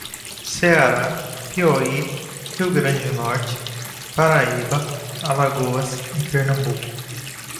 Ceará, Piauí, Rio grande do Norte, Paraíba, Alagoas e Pernambuco